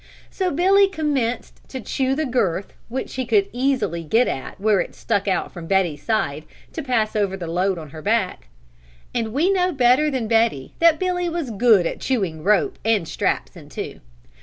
So Billy commenced to chew the girth which he could get at easily where it stuck out from Betty's side to pass over the load on her back; and we know better than Betty that Billy was good at chewing rope and straps in two.